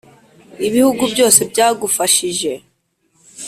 Ibihugu byose byagufashije